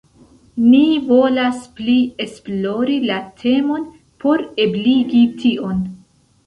Ni volas pli esplori la temon por ebligi tion.